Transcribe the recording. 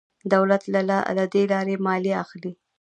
دولت له دې لارې مالیه اخلي.